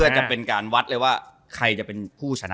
เพื่อจะเป็นการวัดเลยว่าใครจะเป็นผู้ชนะ